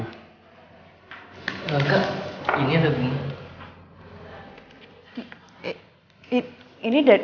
gak ini ada bunga